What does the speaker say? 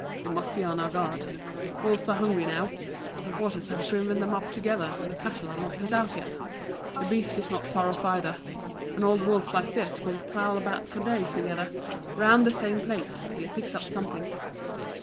We must be on our guard. Wolves are hungry now: the waters have driven them up together, and the cattle are not let out yet. The beast is not far off, either. An old wolf like this will prowl about for days together, round the same place, till he picks up something."